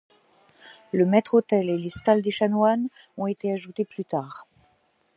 Le maître-autel et les stalles des chanoines ont été ajoutés plus tard.